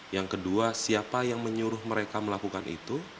yang kedua siapa yang menyuruh mereka melakukan itu